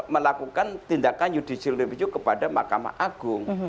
melakukan tindakan judicial review kepada mahkamah agung